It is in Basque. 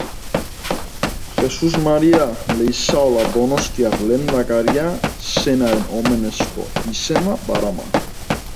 Jesus Maria Leizaola donostiar lehendakaria zenaren omenezko izena darama.